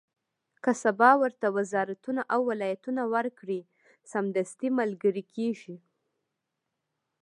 که سبا ورته وزارتونه او ولایتونه ورکړي، سمدستي ملګري کېږي.